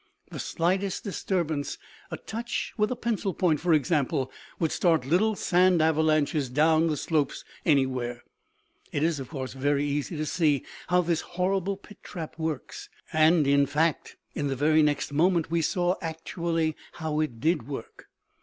The slightest disturbance, a touch with a pencil point for example, would start little sand avalanches down the slopes anywhere. It is, of course, easy to see how this horrible pit trap works. And, in fact, in the very next moment we saw actually how it did work.